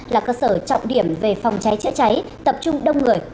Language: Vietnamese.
là cơ sở trọng điểm về phòng cháy chữa cháy tập trung đông người